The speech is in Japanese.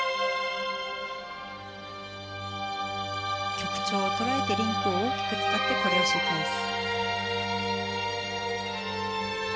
曲調を捉えてリンクを大きく使ってコレオシークエンス。